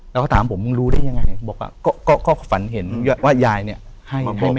แล้วก็ถามผมมึงรู้ได้ยังไงบอกว่าก็ฝันเห็นว่ายายเนี่ยให้แม่